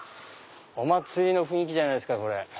お祭りの雰囲気じゃないですか。